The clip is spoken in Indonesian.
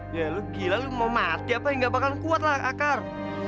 ya lu gila lu mau mati apa yang gak bakalan kuat lah akar